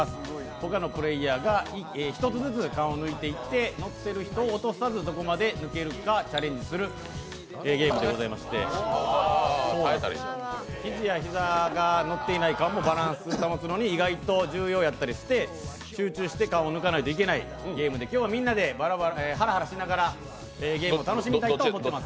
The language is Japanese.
他のプレーヤーが１つずつ缶を抜いていって、乗っている人を落とさずどこまでいけるかチャレンジするゲームでありまして、肘や膝がのっていないか、バランス保つのに意外と重要やったりして集中して缶を抜かないといけないゲームで今日はみんなでハラハラしながらゲームを楽しもうと思います。